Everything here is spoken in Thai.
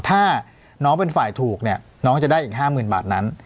ถ้าน้องเป็นฝ่ายถูกเนี่ยน้องจะได้อีก๕๐๐๐บาทนั้น